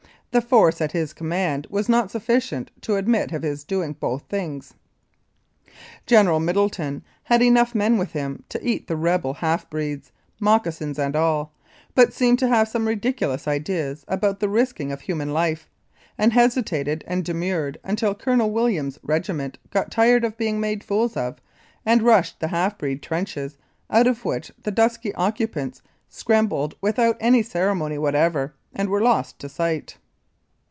The force at his command was not sufficient to admit of his doing both things. General Middleton had enough men with him to eat the rebel half breeds, moccasins and all, but seemed to have some ridiculous ideas about the risking of human life, and hesitated and demurred until Colonel Wil liams's regiment got tired of being made fools of and rushed the half breed trenches, out of which the dusky occupants scrambled without any ceremony whatever, and were lost to sight.